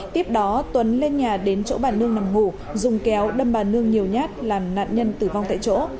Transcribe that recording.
tiếp đó tuấn lên nhà đến chỗ bà nương nằm ngủ dùng kéo đâm bà nương nhiều nhát làm nạn nhân tử vong tại chỗ